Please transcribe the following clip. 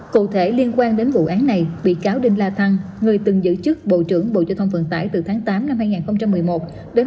cụ thể liên quan đến vụ án này bị cáo đinh la thăng người từng giữ chức bộ trưởng bộ giao thông vận tải từ tháng tám năm hai nghìn một mươi một đến